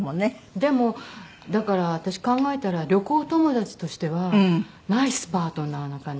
でもだから私考えたら旅行友達としてはナイスパートナーな感じ。